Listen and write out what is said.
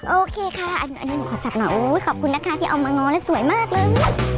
โอเคค่ะอันนี้หนูขอจับหน่อยโอ้ยขอบคุณนะคะที่เอามาง้อแล้วสวยมากเลย